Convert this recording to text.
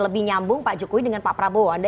lebih nyambung pak jokowi dengan pak prabowo anda